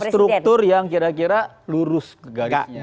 dalam struktur yang kira kira lurus garisnya